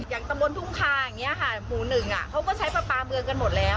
ตำบลทุ่งคาอย่างนี้ค่ะหมู่หนึ่งเขาก็ใช้ปลาปลาเมืองกันหมดแล้ว